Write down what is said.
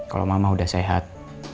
kalau mama udah sehat